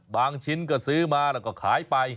ชิ้นก็ซื้อมาแล้วก็ขายไป